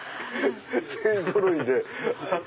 勢ぞろいで。